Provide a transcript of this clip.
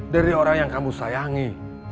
dari orang yang kamu sayangi